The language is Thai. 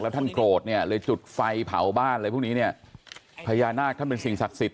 ท่านโกรธเนี่ยเลยจุดไฟเผาบ้านอะไรพวกนี้เนี่ยพญานาคท่านเป็นสิ่งศักดิ์สิทธ